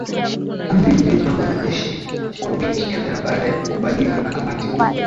Anvil ilipangwa na jeshi kwa wiki kadhaa baada ya kukubaliwa na kamati kuu